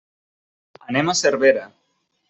Anem a Cervera.